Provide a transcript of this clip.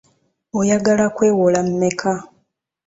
Oyagala kwewola mmeka?